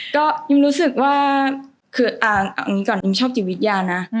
ก็ยุมรู้สึกว่าคือเอาอย่างนี้ก่อนนิมชอบจิตวิทยานะ